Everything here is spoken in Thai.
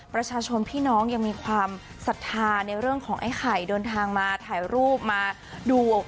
ประชาชนพี่น้องยังมีความศรัทธาในเรื่องของไอ้ไข่เดินทางมาถ่ายรูปมาดู